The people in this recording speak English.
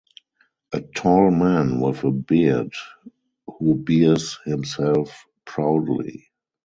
A tall man with a beard, who bears himself proudly.